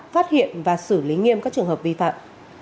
phát hiện và xử lý nghiêm các trường hợp vi phạm